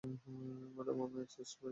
Madam, আমি access পেয়েছি।